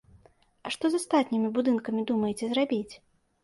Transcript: А што з астатнімі будынкамі думаеце зрабіць?